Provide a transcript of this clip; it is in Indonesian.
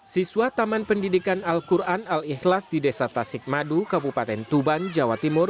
siswa taman pendidikan al quran al ikhlas di desa tasik madu kabupaten tuban jawa timur